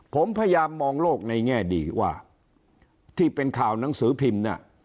ผมพยายามมองโลกในแง่ดีว่าที่เป็นข่าวหนังสือพิมพ์เนี่ย